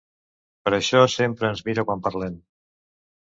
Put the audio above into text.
Per això sempre ens mira quan parlem.